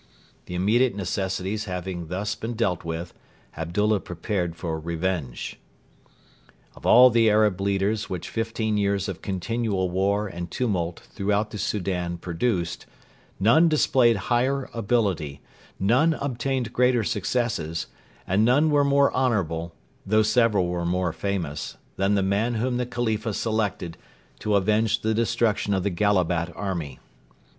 The immediate necessities having thus been dealt with, Abdullah prepared for revenge. Of all the Arab leaders which fifteen years of continual war and tumult throughout the Soudan produced, none displayed higher ability, none obtained greater successes, and none were more honourable, though several were more famous, than the man whom the Khalifa selected to avenge the destruction of the Gallabat army.